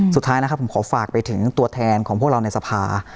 สุดท้ายนะครับผมขอฝากไปถึงตัวแทนของพวกเราในสภา